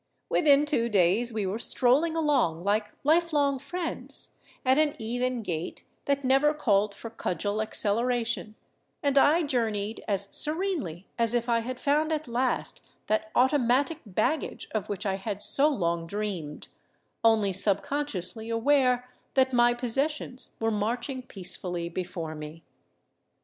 Within two days we were strolling along like lifelong friends, at an even gait that never called for cudgel acceleration, and I journeyed as serenely as if I had found at last that automatic baggage of which I had so lon^ dreamed, only subconsciously aware that my possessions were march j ing peacefully before me.